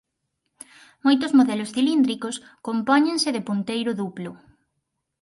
Moitos modelos cilíndricos compóñense de punteiro duplo.